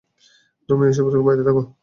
তুমি এসবের বাইরে থাকো।